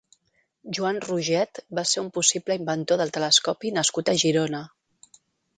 Joan Roget va ser un possible inventor del telescopi nascut a Girona.